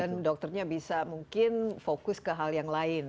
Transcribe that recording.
dan dokternya bisa mungkin fokus ke hal yang lain